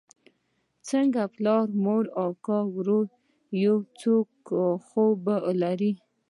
څنگه پلار مور اکا ورور يو څوک خو به لرې.